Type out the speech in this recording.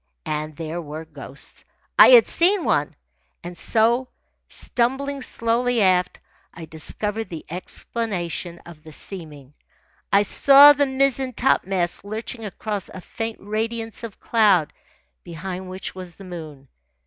And there were ghosts. I had seen one. And so, stumbling slowly aft, I discovered the explanation of the seeming. I saw the mizzen topmast lurching across a faint radiance of cloud behind which was the moon.